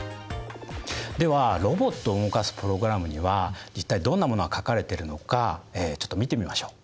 ではロボットを動かすプログラムには一体どんなものが書かれてるのかちょっと見てみましょう。